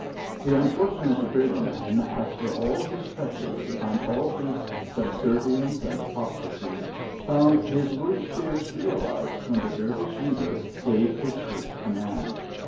The unfortunate dragoman, after all his treachery and all his subservience and apostasy, found his worst fears realised when the Dervish leader gave his curt command.